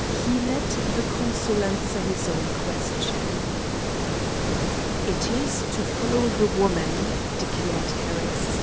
He let the consul answer his own question. "It is to follow the woman," declared Harris.